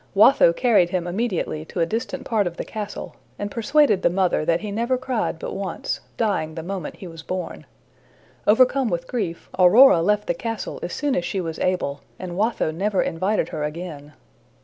Watho carried him immediately to a distant part of the castle, and persuaded the mother that he never cried but once, dying the moment he was born. Overcome with grief, Aurora left the castle as soon as she was able, and Watho never invited her again.